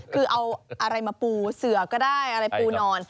คือเอาอะไรมาปูเสือก็ได้อะไรปูนอน